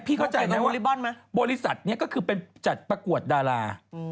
เพราะฉะนั้นเขาก็จะมีดารา